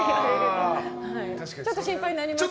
ちょっと心配になりません？